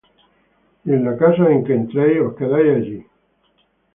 Y en cualquiera casa en que entrareis, quedad allí, y de allí salid.